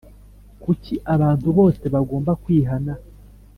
Kuki abantu bose bagomba kwihana